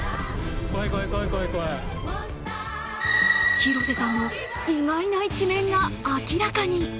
広瀬さんの意外な一面が明らかに。